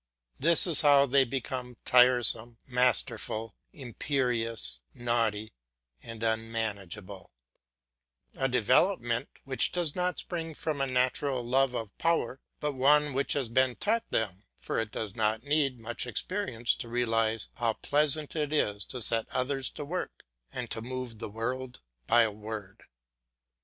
This is how they become tiresome, masterful, imperious, naughty, and unmanageable; a development which does not spring from a natural love of power, but one which has been taught them, for it does not need much experience to realise how pleasant it is to set others to work and to move the world by a word.